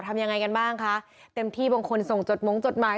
ทำยังไงกันบ้างคะเต็มที่บางคนส่งจดมงจดหมาย